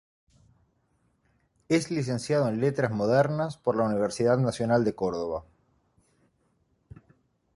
Es licenciado en Letras Modernas por la Universidad Nacional de Córdoba.